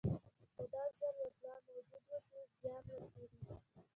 خو دا ځل یو پلان موجود و چې زیان وڅېړي.